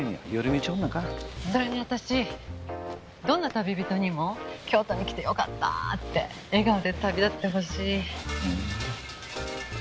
それに私どんな旅人にも京都に来てよかった！って笑顔で旅立ってほしい。